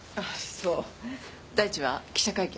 大地は記者会見？